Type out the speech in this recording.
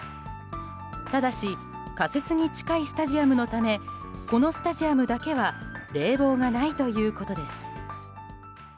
ただし、仮設に近いスタジアムのためこのスタジアムだけは冷房がないということです。